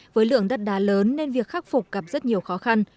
với lượng đất đá lớn nên việc khắc phục gặp rất nhiều khó khăn